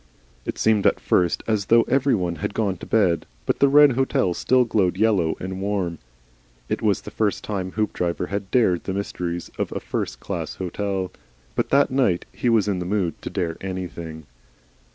It seemed at first as though everyone had gone to bed, but the Red Hotel still glowed yellow and warm. It was the first time Hoopdriver bad dared the mysteries of a 'first class' hotel.' But that night he was in the mood to dare anything.